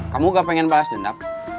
kamu gak pengen balas dendam